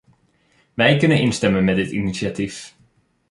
Wij kunnen instemmen met dit initiatief.